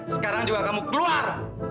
sekarang juga kamu keluar